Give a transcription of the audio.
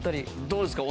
どうですか？